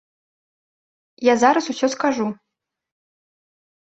Я зараз усё скажу.